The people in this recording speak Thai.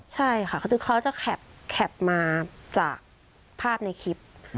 ใช่ค่ะคือเขาจะแคปมาจากภาพในคลิป